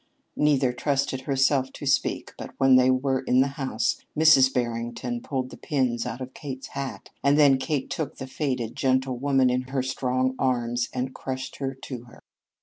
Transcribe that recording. Neither trusted herself to speak, but when they were in the house Mrs. Barrington pulled the pins out of Kate's hat and then Kate took the faded, gentle woman in her strong arms and crushed her to her.